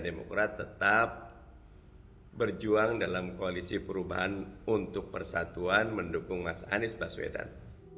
demokrat tetap berjuang dalam koalisi perubahan untuk persatuan mendukung mas anies baswedan